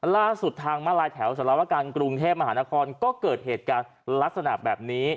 ล่าสุดทางมาลายแถวสารวการกรุงเทพมหานครก็เกิดเหตุการณ์ลักษณะแบบนี้